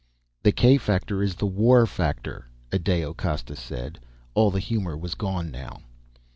"The k factor is the war factor," Adao Costa said. All the humor was gone now.